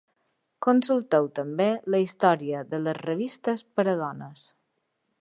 Consulteu també la història de les revistes per a dones.